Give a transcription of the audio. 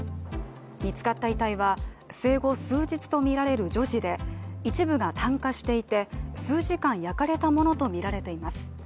見つかった遺体は生後数日とみられる女児で一部が炭化していて、数時間焼かれたものとみられています。